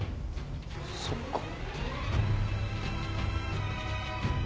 そっか。